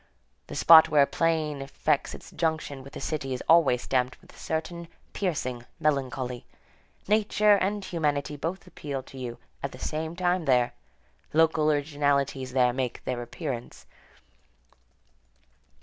The spot where a plain effects its junction with a city is always stamped with a certain piercing melancholy. Nature and humanity both appeal to you at the same time there. Local originalities there make their appearance.